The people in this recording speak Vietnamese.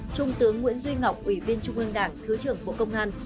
trung tướng nguyễn duy ngọc ủy viên trung ương đảng thứ trưởng bộ công an